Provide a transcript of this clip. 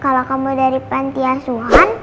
kalau kamu dari pantiasuhan